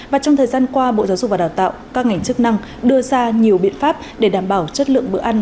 và trong thời gian qua bộ giáo dục và đào tạo các ngành chức năng đưa ra nhiều biện pháp để đảm bảo chất lượng bữa ăn